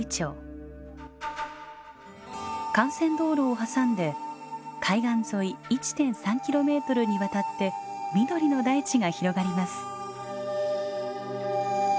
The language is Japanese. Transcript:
幹線道路を挟んで海岸沿い１．３キロメートルにわたって緑の大地が広がります。